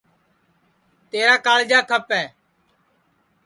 تیرا کاݪجا کھپے